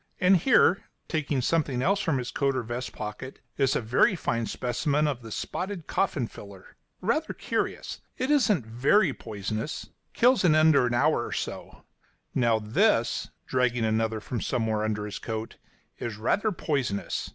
And here," taking something else from his coat or vest pocket, "is a very fine specimen of the spotted coffin filler, rather curious. It isn't very poisonous kills in an hour or so. Now, this," dragging another from somewhere under his coat, "is rather poisonous.